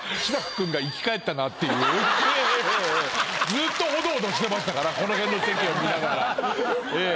ずっとオドオドしてましたからこの辺の席を見ながら。